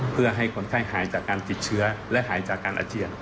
เพื่อให้คนไข้หายจากการติดเชื้อและหายจากการอาเจียน